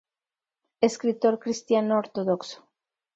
Escritor cristiano ortodoxo.